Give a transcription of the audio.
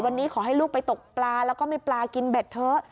วันนี้ขอให้ลูกไปตกปลาแล้วก็มีปลากินเบ็ดเถอะ